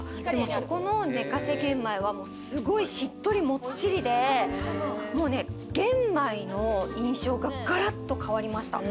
そこの寝かせ玄米はすごいしっとりもっちりで玄米の印象がガラッと変わりました。